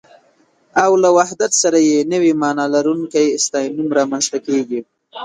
او له وحدت سره يې نوې مانا لرونکی ستاينوم رامنځته کېږي